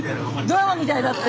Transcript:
ドラマみたいだって。